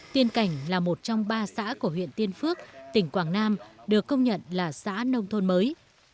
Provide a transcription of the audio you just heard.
tiên cảnh là một trong ba xã của huyện tiên phước tỉnh quảng nam được công nhận là xã nông thôn mới